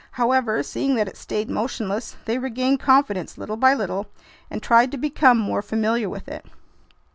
However, seeing that it stayed motionless, they regained confidence little by little and tried to become more familiar with it.